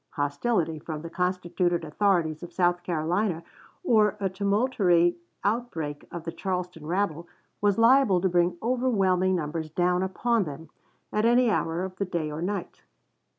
Hostility from the constituted authorities of South Carolina or a tumultuary outbreak of the Charleston rabble was liable to bring overwhelming numbers down upon them at any hour of the day or night.